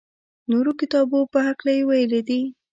نورو کتابو په هکله یې ویلي دي.